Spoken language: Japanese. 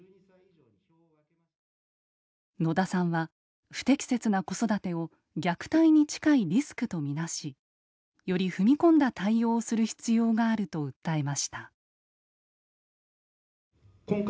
野田さんは不適切な子育てを虐待に近いリスクと見なしより踏み込んだ対応をする必要があると訴えました。